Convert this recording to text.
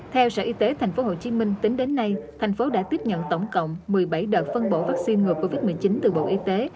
theo sở y tế thành phố hồ chí minh tính đến nay thành phố đã tiếp nhận tổng cộng một mươi bảy đợt phân bổ vaccine ngừa covid một mươi chín từ bộ y tế